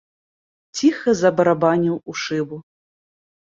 Ціха забарабаніў у шыбу.